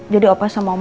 jadi opa sama oma pulang